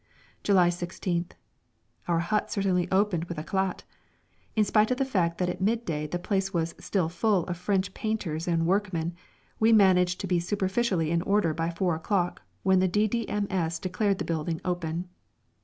July 16th. Our hut certainly opened with éclat! In spite of the fact that at midday the place was still full of French painters and workmen, we managed to be superficially in order by four o'clock when the D.D.M.S. declared the building open.